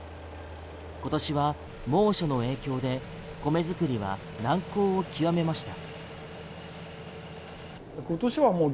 今年は猛暑の影響で米作りは難航を極めました。